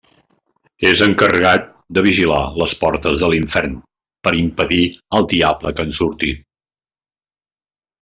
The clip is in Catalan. És encarregat de vigilar les portes de l'Infern, per impedir al Diable que en surti.